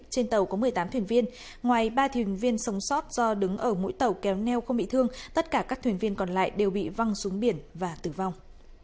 trên tàu có một mươi tám thuyền viên ngoài ba thuyền viên sống sót do đứng ở mỗi tàu kéo neo không bị thương tất cả các thuyền viên còn lại đều bị văng xuống biển và tử vong